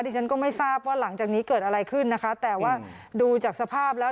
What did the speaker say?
ฉันก็ไม่ทราบว่าหลังจากนี้เกิดอะไรขึ้นนะคะแต่ว่าดูจากสภาพแล้ว